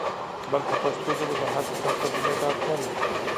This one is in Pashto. بلکې پښتو ژبه د هر کتاب ترجمې ته اړتیا لري.